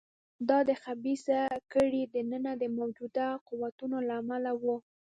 دا د خبیثه کړۍ دننه د موجوده قوتونو له امله و.